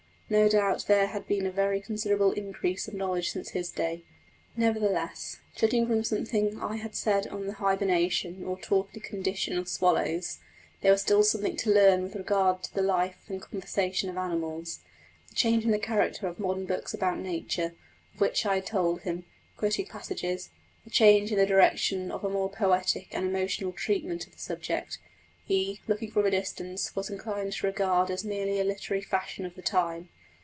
No doubt there had been a very considerable increase of knowledge since his day; nevertheless, judging from something I had said on the hibernation, or torpid condition, of swallows, there was still something to learn with regard to the life and conversation of animals. The change in the character of modern books about nature, of which I had told him, quoting passages a change in the direction of a more poetic and emotional treatment of the subject he, looking from a distance, was inclined to regard as merely a literary fashion of the time.